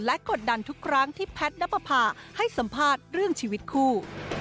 และกดดันทุกครั้งที่แพทย์นับประพาให้สัมภาษณ์เรื่องชีวิตคู่